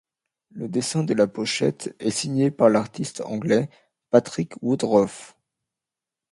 Le dessin de la pochette est signé par l'artiste anglais Patrick Woodroffe.